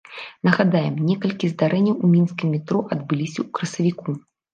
Нагадаем, некалькі здарэнняў у мінскім метро адбыліся ў красавіку.